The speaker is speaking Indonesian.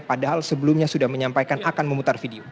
padahal sebelumnya sudah menyampaikan akan memutar video